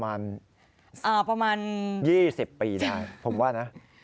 มันไปประมาณ๒๐ปีผมว่านะ